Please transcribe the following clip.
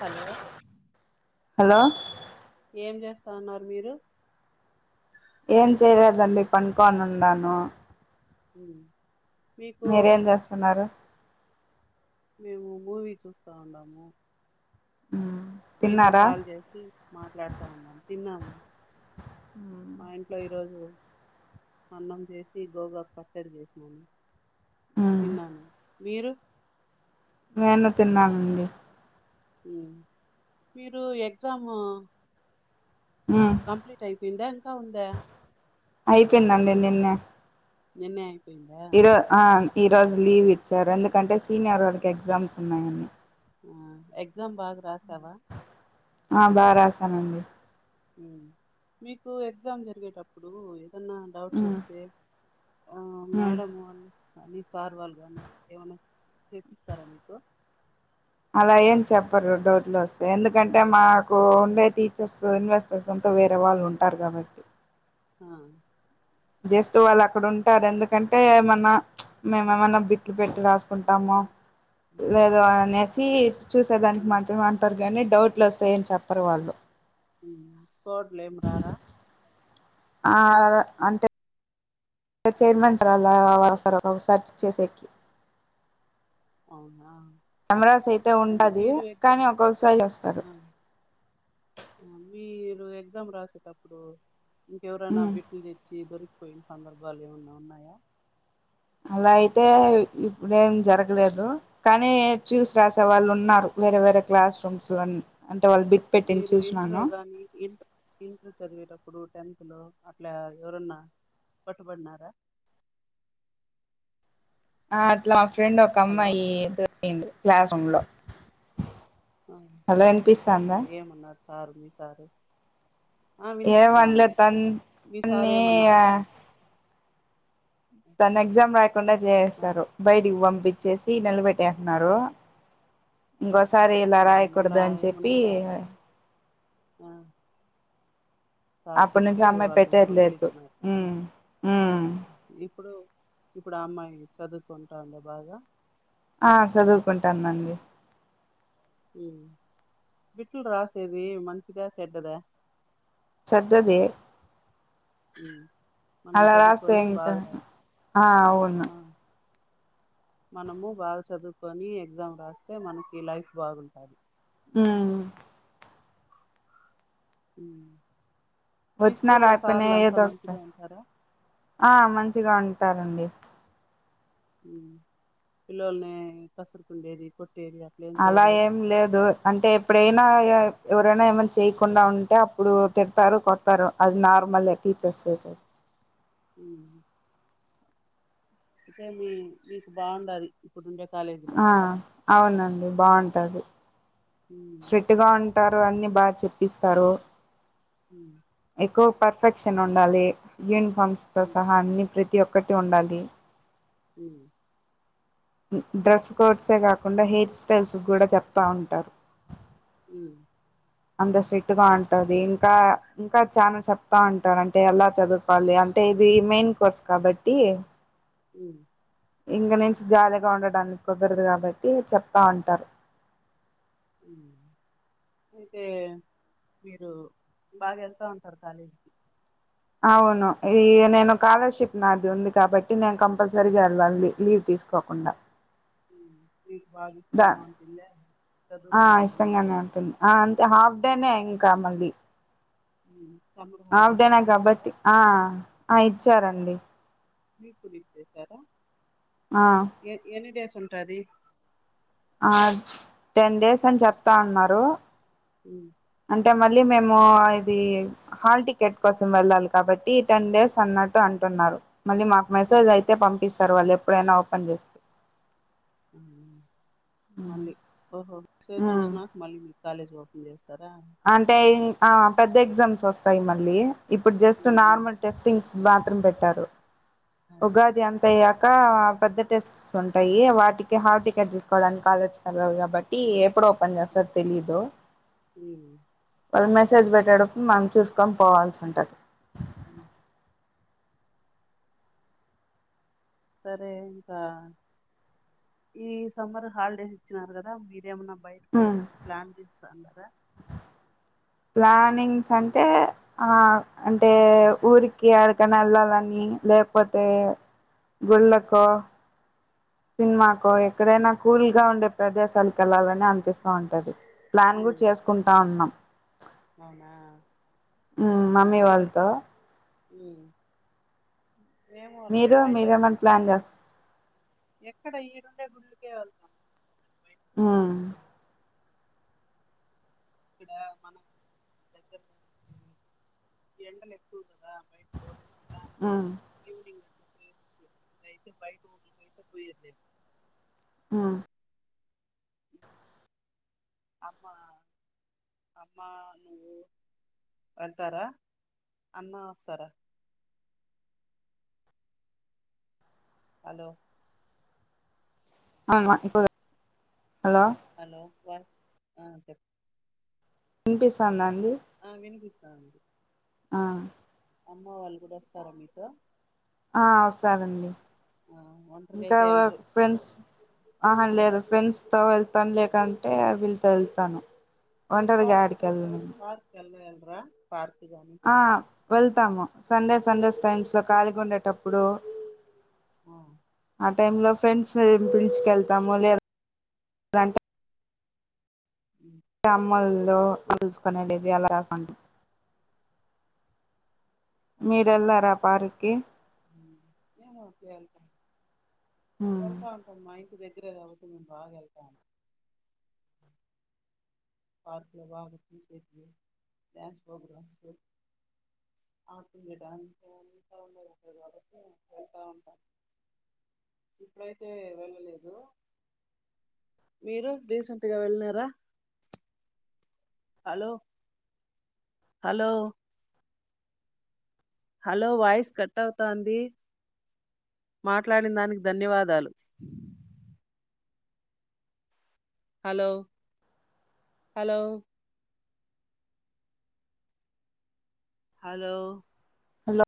Hello hello ఏం చేస్తాన్నారు మీరు ఏం చేయలేదండి పనుకొని ఉన్నాను ఊ మీరేం చేస్తున్నారు మేము మూవీ చూస్తా ఉండాము మ్మ్ మీతో తిన్నారా కాల్ చేసి మాట్లాడుతా ఉన్నాం తిన్నాము మా ఇంట్లో ఈరోజు అన్నం చేసి గోగాకు పచ్చడి చేసినాను మ్మ్ తిన్నను మీరు నేను తిన్నానండి ఉ మీరు ఎగ్జాము ఆ ఇంకా ఉందా అయిపోయిందండి నిన్నే నిన్నే అయిపోయిందా ఇరు ఆవును ఈ రోజు లీవ్ ఇచ్చారు ఎందుకంటే సీనియర్ వాళ్ళకి ఎగ్జామ్స్ ఉన్నాయని ఆ ఎగ్జామ్ బాగా రాసావా ఆ బాగా రాసానండి ఊ మీకు ఎగ్జామ్ జరిగేటప్పుడు ఏన్నా డౌట్స్ మ్మ్ వస్తే ఆ మ్మ్ మేడం వాళ్ళు కానీ సార్ వాళ్ళు కానీ ఏమైనా చేపిస్తారా మీకు అలా ఏం చెప్పరు డౌట్లో వస్తే ఎందుకంటే మాకు ఉండే టీచర్స్ ఇన్వెస్టర్స్ అంతా వేరే వాళ్ళు ఉంటారు కాబట్టి ఆ చేస్తూ వాళ్ళు అక్కడ ఉంటారు ఎందుకంటే ఏమన్నా ప్చ్ మేము ఏమన్నా బిట్లు పెట్టి రాస్ కుంటాము ఆ ఆ లేదో అనేసి త్విత్ చూసే దానికి హ్మ్ మాత్రమ అంటారు కానీ డౌట్లు వస్తాయని చెప్పరు వాళ్ళు ఉ కోడ్లేమ్ రారా ఆ అంటే చైర్మన్ సార్ అలా వస్తారు ఒకసారి ఒక్కసారి చెక్ చేసేక్కి అవునా కెమెరాస్ అయితే ఉమ్, ఉండది మీరు ఎగ్జా కానీ ఒక్కొక్కసారి చుస్తారు ఆ రు ఎగ్జామ్ రాసేటప్పుడు ఇంకెవరానా ఉమ్ బిట్లు తెచ్చి దొరి పోయిన సందర్భాలు ఏమన్నా ఉన్నాయా అలా అయితే ఇప్పుడ ఏం జరగలేదు కానీ చ్యూస్ రాసే ఉమ్. వాళ్ళు ఉన్నారు వెరే వేరె క్లాస్ రూమ్స్ లో అని ఆన్ మీరు ఇంటర్ గాని ఇ ఇంటర్ చదివెటప్ ఇప్పుడు టెంప్ లో అట్లా ఎవరన్నా పట్టుబడినారా ఆ అట్లా ఫ్రెండ్ ఒక హలో అమ్మాయి దొన్బింది క్లాస్ ఉంలో ఆ హలో ఆ వినిపిస్థాందా ఏమన్నారు సారు మీ సారే ఏ మనలే తన్ మీ సారు తన్ని ఏమన్నారు తన ఎగ్జామ్ రాకుండా ఆ చేసెస్తారు బయటికి పంపించేసి ఆ నిలబెట్టేసినారు గోస్ సరే ఇలా ఆ మళ్ళా రాయకూడదు అని ఏమన్నా చెప్పి ఆ సార్ అప్పటి నుంచి చెప్పి అమ్మాయి వాళ్ళని పెట్టేయట్లేదు మందులిచ్చినారు ఉమ్ ఉమ్ ఇప్పుడు ఇప్పుడు ఆ అమ్మాయి చదువుకుంటాందా బాగా ఆ చదువుకుంటందండి ఉమ్ బిట్లు రాసేది మంచిదా చెడ్డదా చద్దది ఉమ్ అలా రాస్తే ఇంకా ఆ అవును ఆ మనము బాగా చదువుకొని ఎగ్జామ్ రాస్తే మనకి లైఫ్ బాగుంటుంది ఆ ఉమ్ వచ్చినా రాకపోయినా ఏదో ఒకట ఉంటారా ఆ మంచిగా ఉంటారండి పిల్లోలనే కసుర్కుండేది కొ అలా ఏం లేదు అంటే ఎప్పుడైనా ఇగ ఎవరైనా ఏమైనా చేయకుండా ఉంటే అప్పుడు తిడతారు కొడతారు అది నార్మలే టీచర్స్ చేసేది ఉమ్ అంటే మీ మీకు బాగుండాలి ఆ అవునండి బాగుం కాదు హ్మ్ స్ట్రిక్ట్ గా ఉంటారు అని బాగా చెప్పిస్తారు ఉమ్ ఎక్కువ పర్ఫెక్షన్ ఉండాలి సంస్థ హ్మ్ సహా అన్ని ప్రతి ప్రతి ఒక్కటి ఉండాలి ఉమ్ డ్రెస్ కోడ్సే కాకుండా హెయిర్ స్టైల్స్ కూడా చెప్తా ఉంటారు ఉమ్ అంత స్ట్రిక్ట్ గా ఉంటుంది ఇంకా ఇంకా చనా చెప్తా ఉంటారు అంటే ఎలా చదువుకోవాలి అంటే ఇది మెయిన్ కోర్స్ కాబట్టి ఉ ఇంగ నుంచి జాలీగా ఉండడానికి కుదరదు కాబట్టి చెప్తా ఉంటారు అయితే మీరు బాగా వెళ్తా ఉంటారు కాలేజీకి అవును ఇది నేను కకాలర్షిప్ నాది ఉంది కాబట్టి నేను కంపల్సరీగా వెాలి లీవ్ తీసుకోకుండా హ దా ఆ చదువుకుండే దానికి ఇష్టంగానే ఉంటుంది అంటే హాఫ్ అంటేనే ఇంకా మళ్ళీ సమ్మర్ హాలిడేస్ ఆవిడేనా ఇచ్చేసినారా కాబట్టి ఆ ఆ ఇచ్చారండి మీ గురిచ్చసారా ఆ ఎనిడి ఉంటాది ఆ టెన్ డేస్ అని చెప్తా ఉన్నారు ఉ అంటే మళ్ళీ మేము ఇది హాల్ టికెట్ కోసం వెళ్ళాలి కాబట్టి టెన్ డేస్ అన్నట్టు అంటున్నారు మళ్ళ మా మసజ్ అయితే పంపిస్తంది తర్వాళ్ళు ఎప్పుడైనా ఓపెన్ చేస్త మళ్ళీ సారి ఉమ్ చూసిన మళ్ళీ కాలేజ్ ఓపెన్ చేస్తారా అంటే ఆ పెద్ద ఎగ్జామ్స్ వస్తాయి మళ్ళీ ఇప్పుడు just um. Normal testings bathroom పెట్టారు ఉమ్. ఉగాది అంత ఇ పెద్ద టెస్ట్ ఉంటాయి వాటికి హార్ టికెట్ తీసుకోవడానికి ఆలోచన కాబట్టి ఎప్పుడు పంంచ సత్ తెలీలో ఉమ్. వాళ్ళు మెసేజ్ పెట్టేటప్పుడు మనం చూసుకొని పోవాల్సి ఉంటుంది అ సరే ఇంకా ఈ సమ్మర్ హాలిడేస్ ఇచ్చినారు కదా మీరేమన్నా బయటకి హ్మ్ పోయదని ప్లాన్ చేస్తా అన్నారా ప్లానింగ్స్ అంటే అంటే ఊరికి అడకన వెళ్ళాలని లేకపోతే గుళ్ళకో సినిమాకో ఎక్కడైనా కూల్గా ఉండే ప్రదేశాలకు వెళ్ళాలని అనిపిస్తా ఉంటది ప్లాన్ కూడా చేసుకుంటా ఉన్నాం అవునా మమ్మీ వాళ్ళతో అ ఏమో అట్లే మీరు బయట వెళ్దాము మీరేమన్నా ప్లాన్ చేస్త ఎక్కడ ఈడుండే గు కేవత ఆ ఇక్కడ మన దగ్గరగా ఎండలు ఎక్కువవు కదా బయట పోలే ఆ తే బయ ఉ కయితే పోయిందే ఆ అమ్మా అమ్మ నువ్వు వెళ్తారా అన్న వస్తారా హలో అను ఇప్పు హలో చె వినిపిస్తుందా అండి వినిపిస్తాండి ఆ అమ్మ వాళ్ళు కూడా వస్తారా మీతో ఆ వ సారండి ఆ ఒంటరిగా ఇంకా అయితే వెళ్ళరు ఫ్రెండ్స్ అహ లేదు ఫ్రెండ్స్ తో వెళ్తాను లేకంటే వీళ్ళతో వెళ్తాను మీరు ఒంటరిగా పార్క్ యాడికి కంట వెళ్ళను పార్క్ ఎలా పార్ గానీ ఆ వెళ్తాము సండే సండేస్ టైమ్స్లో ఖళిగా ఉండేటప్పుడు ఆ ఆ టైంలో ఫ్రెండ్స్ పసుుకెళ్తాము లేంటే అమ మమ్మల్లో ఉలుసుకునే లేది అలాస అవునా ఏను వెల్ అపమ్మా ఇకు తె ఇరే కాబట్టి మేము బాగా వెళ్తాం పార్క్ లో బాగా చూసే న్ ప్రోగ్రామ్స్బటి ఉ ఇప్పుడైతే వెళ్ళలేదు మీరు రీసెంట్గా వెళ్ళినారా hello hello hello voice cut అవుతంది మాట్లాడిన దానికి ధన్యవాదాలు హలో హలో హలో హలో